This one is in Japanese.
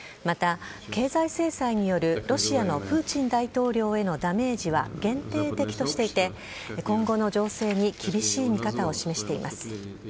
また、経済制裁によるロシアのプーチン大統領へのダメージは限定的としていて、今後の情勢に厳しい見方を示しています。